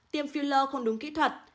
tiêm filler không đúng kỹ thuật